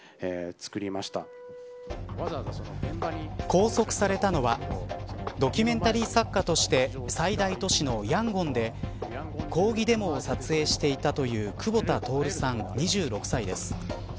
拘束されたのはドキュメンタリー作家として最大都市のヤンゴンで抗議デモを撮影していたという久保田徹さん、２６歳です。